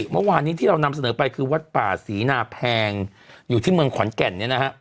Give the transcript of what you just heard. เมื่อวานนี้ที่เรานำเสนอไปคือวัดป่าศรีนาแพงอยู่ที่เมืองขอนแก่นเนี่ยนะฮะ